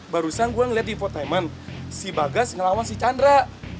barusan gue ngelihat di infotainment si bagas ngelawan si cahandre